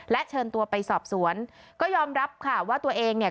เชิญตัวไปสอบสวนก็ยอมรับค่ะว่าตัวเองเนี่ย